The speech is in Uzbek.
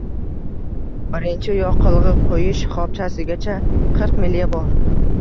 Birinchi yoqilg`i quyish shahobchasigacha qirq milya bor